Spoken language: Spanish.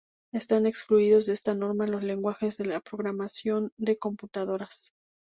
Están excluidos de esta norma los lenguajes de programación de computadoras.